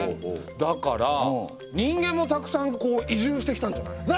だから人間もたくさん移住してきたんじゃない？